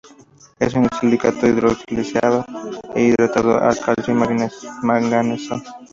Es un silicato hidroxilado e hidratado de calcio y manganeso.